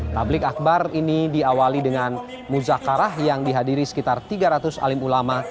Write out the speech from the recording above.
tablik akbar ini diawali dengan muzakarah yang dihadiri sekitar tiga ratus alim ulama